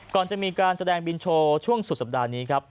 ก่อนจะมีการแสดงบินโชว์ช่วงสุดสัปดาห์นี้ครับ